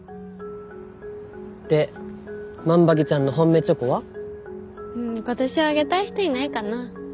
で万場木ちゃんの本命チョコは？ん今年はあげたい人いないかな。